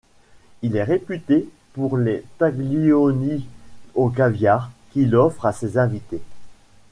Il est réputé pour les tagliolini au caviar qu'il offre à ses invités.